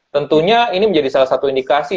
tentunya ini menjadi salah satu indikasi